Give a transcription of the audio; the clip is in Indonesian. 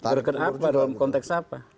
gerakan apa dalam konteks apa